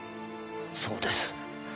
そうです。